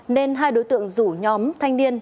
nên hai đối tượng rủ nhóm thanh niên